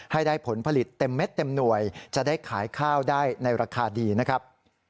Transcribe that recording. ให้ได้ผลผลิตเต็มเม็ดเต็มหน่วยจะได้ขายข้าวได้ในราคาดีนะครับ